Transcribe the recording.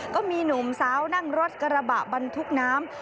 ก็มีหนุ่มสาวนั่งรถกระบะบรรทุกน้ำ